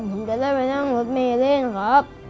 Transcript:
ผมจะได้ไปนั่งรถเมย์เล่นครับ